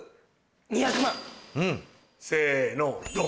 せのドン。